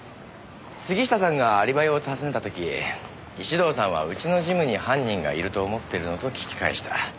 杉下さんがアリバイを訪ねた時石堂さんはうちのジムに犯人がいると思ってるの？と聞き返した。